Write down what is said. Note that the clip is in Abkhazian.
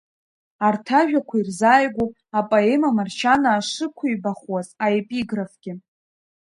Арҭ ажәақәа ирзааигәоуп апоема Маршьанаа шықәибахуаз аепиграфгьы…